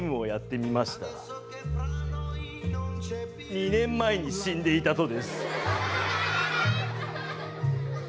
２年前に死んでいたとです。